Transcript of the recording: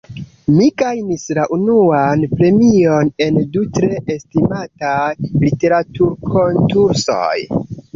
Mi gajnis la unuan premion en du tre estimataj literaturkonkursoj.